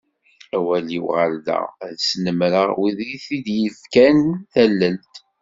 Awal-iw ɣer da, ad snemmreɣ wid d tid i yi-d-yefkan tallelt.